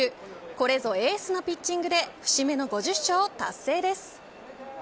これぞエースのピッチングで節目の５０勝達成です。